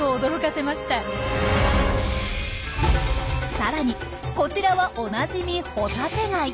さらにこちらはおなじみホタテガイ。